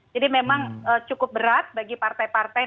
jadi memang cukup berat bagi partai partai